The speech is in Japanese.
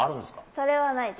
それはないです。